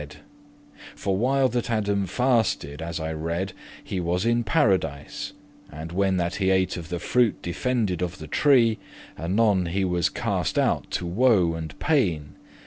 * *doubt For while that Adam fasted, as I read, He was in Paradise; and when that he Ate of the fruit defended* of the tree, *forbidden <12> Anon he was cast out to woe and pain.